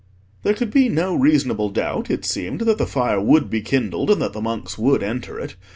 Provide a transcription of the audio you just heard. There could be no reasonable doubt, it seemed, that the fire would be kindled, and that the monks would enter it.